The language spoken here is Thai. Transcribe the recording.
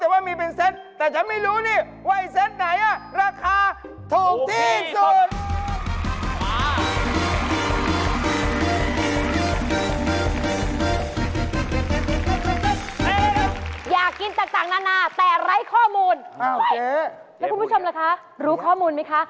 แต่ไร้ข้อมูลเห้ยแล้วคุณผู้ชมล่ะคะรู้ข้อมูลไหมคะ